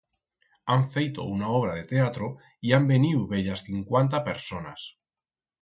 Han feito una obra de teatro y han veniu bellas cincuanta personas.